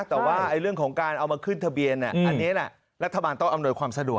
แต่ว่าเรื่องของการเอามาขึ้นทะเบียนอันนี้แหละรัฐบาลต้องอำนวยความสะดวก